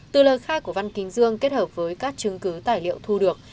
từ lời khai của văn kính dương kết hợp với các chứng cứ tài liệu thu được